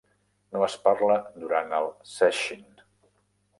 No es parla durant el sesshin.